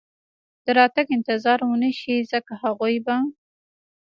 د راتګ انتظار و نه شي، ځکه هغوی به.